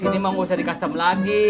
ini mah gak usah di custom lagi